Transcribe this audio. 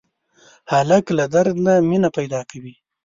هلک له درد نه مینه پیدا کوي.